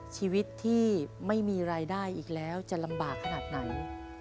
ชีวิตที่ไม่มีรายได้อีกแล้วจะลำบากขนาดไหน